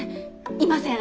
いません。